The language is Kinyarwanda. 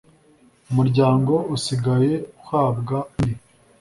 umuryango usigaye uhabwa undi.